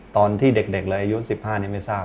ตอนที่เด็กเลยอายุ๑๕นี่ไม่ทราบ